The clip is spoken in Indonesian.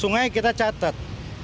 sungai kita catat